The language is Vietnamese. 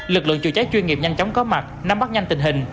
lực lượng chữa cháy chuyên nghiệp nhanh chóng có mặt nắm bắt nhanh tình hình